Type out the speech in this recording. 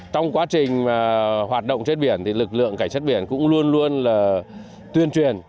trong quá trình hoạt động trên biển thì lực lượng cảnh sát biển cũng luôn luôn là tuyên truyền